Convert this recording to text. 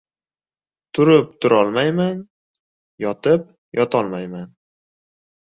Turib turolmayman, yotib yotolmayman.